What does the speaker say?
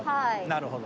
なるほど。